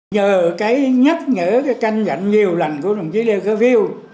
nhờ cái nhắc nhở cái canh nhận nhiều lần của nguyên tổng bí thư liên khả phiêu